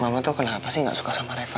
mama tuh kenapa sih nggak suka sama reva